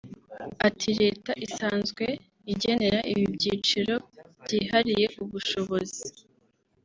Ati “Leta isanzwe igenera ibi byiciro byihariye ubushobozi